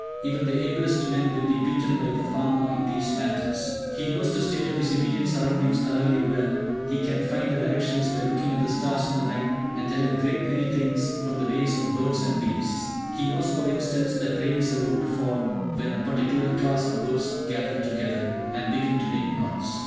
Even the ablest men will be beaten by the farmer in these matters. He knows the state of his immediate surroundings thoroughly well, he can find the directions by looking at the stars in the night, and tell a great many things from the ways of birds and beasts. He knows, for instance, that rain is about to fall when a particular class of birds gather together, and begin to make noise.